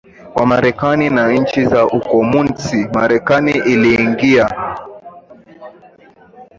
wa Marekani na nchi za ukomunisti Marekani iliingia